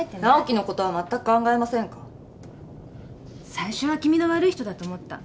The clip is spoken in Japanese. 最初は気味の悪い人だと思った。